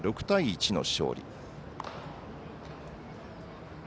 ６対１の勝利。